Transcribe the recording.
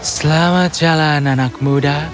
selamat jalan anak muda